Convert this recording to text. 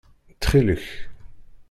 Ttxil-k!